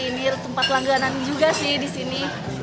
ini tempat langganan juga sih di sini